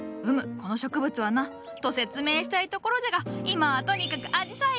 この植物はなと説明したいところじゃが今はとにかくあじさいるんるん！